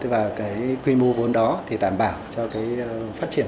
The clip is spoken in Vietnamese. và cái quy mô vốn đó thì đảm bảo cho cái phát triển